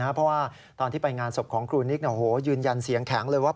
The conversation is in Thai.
เพราะว่าตอนที่ไปงานศพของครูนิกยืนยันเสียงแข็งเลยว่า